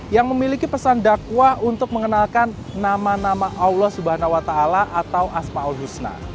yang memiliki pesan dakwah untuk mengenalkan nama nama allah swt atau asma ul husna